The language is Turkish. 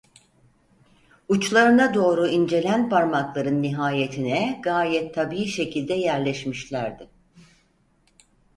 Uçlarına doğru incelen parmakların nihayetine gayet tabii şekilde yerleşmişlerdi.